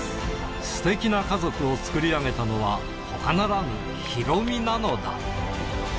すてきな家族を作り上げたのは、ほかならぬヒロミなのだ。